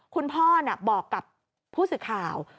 คุณพ่อบอกกับผู้สื่อข่าว